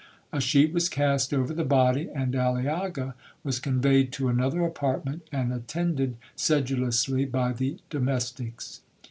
A sheet was cast over the body, and Aliaga was conveyed to another apartment, and attended sedulously by the domestics.